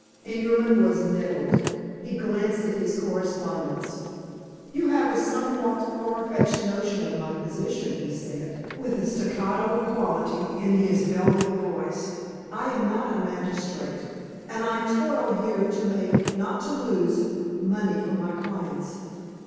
Ingerman was nettled. He glanced at his correspondence. "You have a somewhat far fetched notion of my position," he said, with a staccato quality in his velvet voice. "I am not a magnate, and I toil here to make, not to lose, money for my clients."